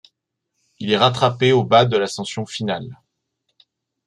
Il est rattrapé au bas de l'ascension finale.